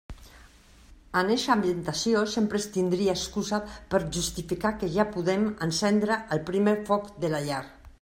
En eixa ambientació sempre es tindria excusa per a justificar que ja podem encendre el primer foc de la llar.